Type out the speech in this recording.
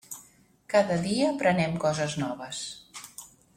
Cada dia aprenem coses noves.